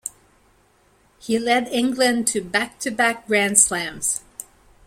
He led England to back-to-back Grand Slams.